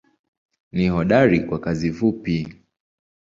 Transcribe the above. Ni hodari kwa kazi fupi.